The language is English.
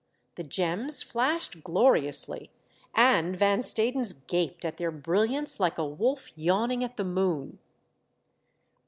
The gems flashed gloriously and Van Stadens gaped at their brilliance like a wolf yawning at the moon.